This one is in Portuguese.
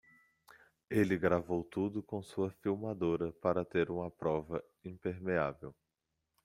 Ele gravou tudo com sua filmadora para ter uma prova impermeável.